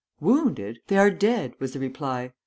'Wounded! they are dead,' was the reply.